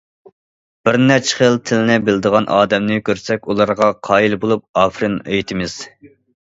بىر نەچچە خىل تىلنى بىلىدىغان ئادەمنى كۆرسەك ئۇلارغا قايىل بولۇپ ئاپىرىن ئېيتىمىز.